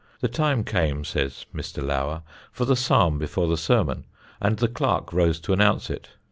The time came, says Mr. Lower, for the psalm before the sermon, and the clerk rose to announce it.